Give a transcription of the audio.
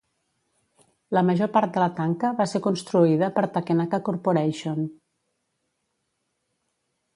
La major part de la tanca va ser construïda per Takenaka Corporation.